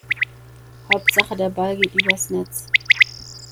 Hauptsache der Ball geht übers Netz.